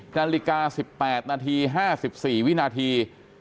นาฬิกา๑๘นาที๕๔วินาที